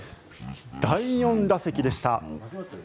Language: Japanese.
第４打席でした。